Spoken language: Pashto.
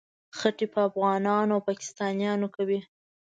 خټې په افغانانو او پاکستانیانو کوي.